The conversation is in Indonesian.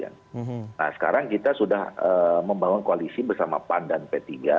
nah sekarang kita sudah membangun koalisi bersama pan dan p tiga